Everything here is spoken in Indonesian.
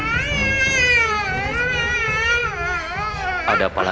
ada apa lagi sama fikih